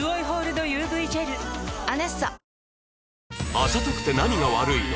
『あざとくて何が悪いの？』